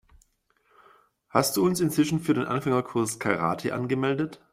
Hast du uns inzwischen für den Anfängerkurs Karate angemeldet?